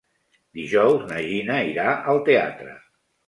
Dijous na Gina irà al teatre.